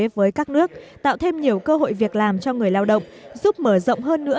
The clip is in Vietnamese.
với các nước tạo thêm nhiều cơ hội việc làm cho người lao động giúp mở rộng hơn nữa